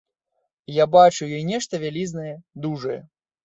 Я бачу ў ёй нешта вялізнае, дужае.